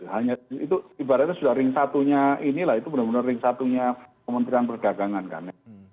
hanya itu ibaratnya sudah ring satunya inilah itu benar benar ring satunya kementerian perdagangan kan